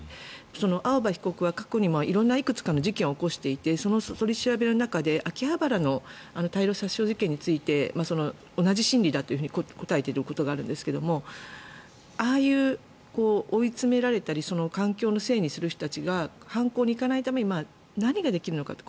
青葉被告は過去にも色んないくつかの事件を起こしていてその取り調べの中で秋葉原の大量殺傷事件について同じ心理だと答えていることがあるんですがああいう追い詰められたり環境のせいにする人たちが犯行に行かないために何ができるのか。